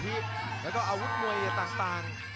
อยากก้งอาวุธมวยกันต่าง